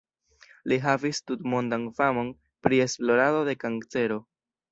Li havis tutmondan famon pri esplorado de kancero.